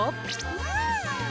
うん！